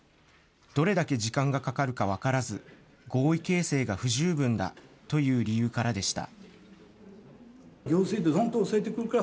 どれだけ時間がかかるか分からず、合意形成が不十分だという理由からでした。